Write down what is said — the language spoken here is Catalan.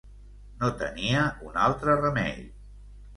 No tenia un altre remei.